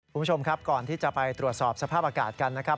คุณผู้ชมครับก่อนที่จะไปตรวจสอบสภาพอากาศกันนะครับ